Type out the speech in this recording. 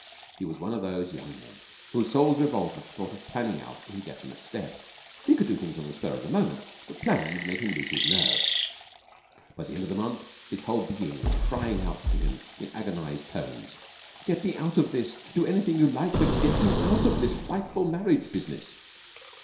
He was one of those young men whose souls revolt at the thought of planning out any definite step. He could do things on the spur of the moment, but plans made him lose his nerve. By the end of the month his whole being was crying out to him in agonized tones: "Get me out of this. Do anything you like, but get me out of this frightful marriage business."